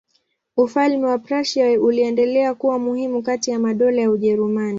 Ufalme wa Prussia uliendelea kuwa muhimu kati ya madola ya Ujerumani.